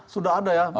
sudah ada ya